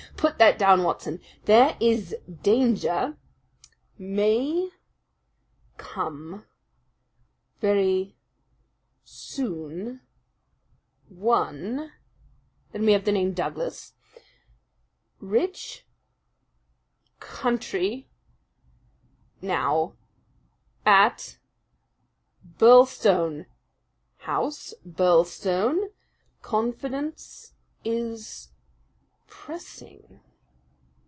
Put that down, Watson. 'There is danger may come very soon one.' Then we have the name 'Douglas' 'rich country now at Birlstone House Birlstone confidence is pressing.'